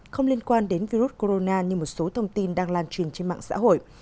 không liên quan đến virus corona như một số thông tin đang lan truyền trên mạng xã hội